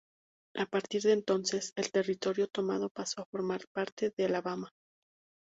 A partir de entonces el territorio tomado pasó a formar parte de Alabama.